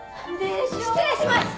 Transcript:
失礼します！